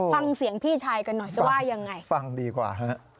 ฟังเสียงพี่ชายกันหน่อยจะว่ายังไงฟังดีกว่าฮะ